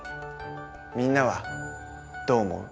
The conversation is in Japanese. みんなはどう思う？